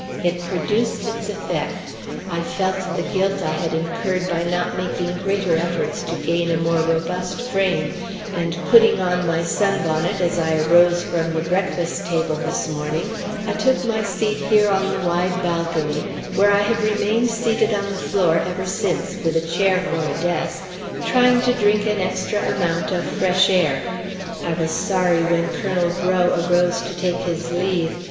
It produced its effect. I felt the guilt I had incurred by not making greater efforts to gain a more robust frame; and putting on my sunbonnet as I arose from the breakfast table this morning, I took my seat here on the wide balcony where I have remained seated on the floor ever since, with a chair for a desk, trying to drink an extra amount of fresh air. I was sorry when Colonel Breaux arose to take his leave.